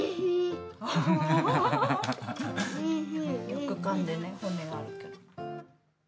よくかんでね骨があるから。